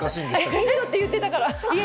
インドって言ってたから。